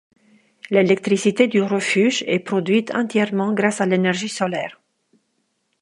L'électricité du refuge est produite entièrement grâce à l'énergie solaire.